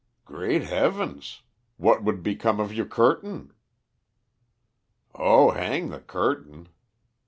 "Great heavens! What would become of your curtain?" "Oh, hang the curtain!"